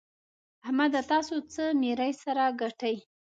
احمده! تاسو څه ميرۍ سره ګټئ؟!